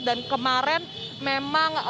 dan kemarin memang